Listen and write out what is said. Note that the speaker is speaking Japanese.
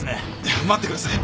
待ってください。